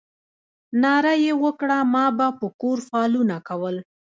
ناره یې وکړه ما به په کور فالونه کول.